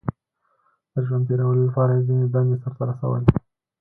• د ژوند تېرولو لپاره یې ځینې دندې سر ته رسولې.